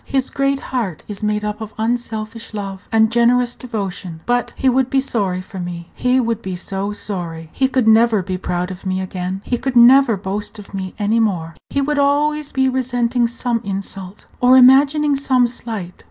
His great heart is made up of unselfish love and generous devotion. But he would be sorry for me; he would be so sorry! He could never be proud of me again; he could never boast of me any more. He would be always resenting some insult, or imagining some slight.